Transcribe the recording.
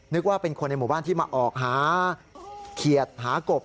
นึกว่าเป็นคนในหมู่บ้านที่มาออกหาเขียดหากบ